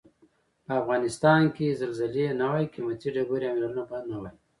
په افغنستان کې که زلزلې نه وای قیمتي ډبرې او منرالونه به نه وای.